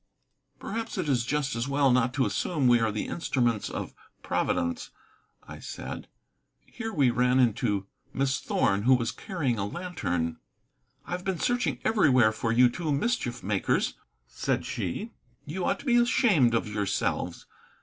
"Perhaps it is just as well not to assume we are the instruments of Providence," I said. Here we ran into Miss Thorn, who was carrying a lantern. "I have been searching everywhere for you two mischief makers," said she. "You ought to be ashamed of yourselves.